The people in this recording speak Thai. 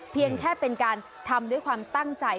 เพียงแค่เป็นการทำด้วยความตั้งใจ